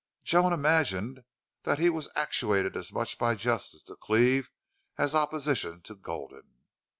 Joan imagined he was actuated as much by justice to Cleve as opposition to Gulden.